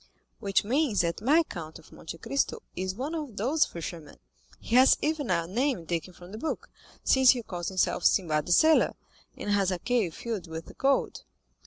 "Which means that my Count of Monte Cristo is one of those fishermen. He has even a name taken from the book, since he calls himself Sinbad the Sailor, and has a cave filled with gold."